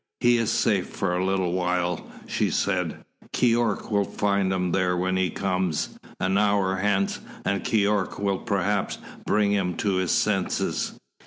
"He is safe for a little while," she said. "Keyork will find him there when he comes, an hour hence, and Keyork will perhaps bring him to his senses."